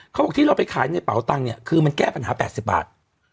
เขาบอกที่เราไปขายในเป๋าตังค์เนี่ยคือมันแก้ปัญหา๘๐บาท